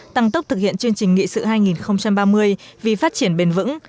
tăng tốc thực hiện chương trình nghị sự hai nghìn ba mươi vì phát triển bền vững